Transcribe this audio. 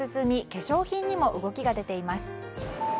化粧品にも動きが出ています。